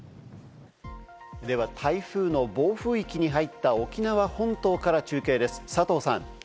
では台風の暴風域に入った沖縄本島から中継です、佐藤さん。